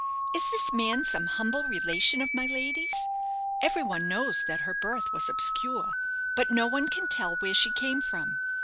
"Is this man some humble relation of my lady's? Everyone knows that her birth was obscure; but no one can tell where she came from.